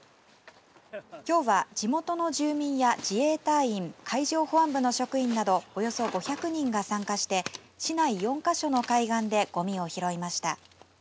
きょうは地元の住民や自衛隊員海上保安部の職員などおよそ５００人が参加して市内４か所の海岸でごみを拾いました。